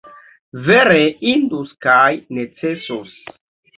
Vere indus kaj necesus!